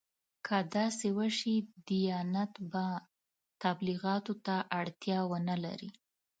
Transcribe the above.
که داسې وشي دیانت به تبلیغاتو ته اړتیا ونه لري.